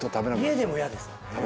家でも嫌ですか。